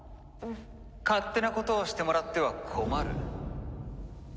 勝手なことをしてもらっては困る。